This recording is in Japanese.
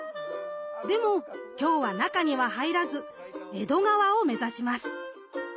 でも今日は中には入らず江戸川を目指します！